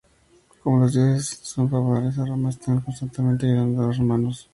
Como los dioses son favorables a Roma, están constantemente ayudando a los romanos.